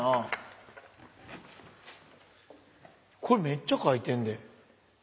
これめっちゃ書いてんで。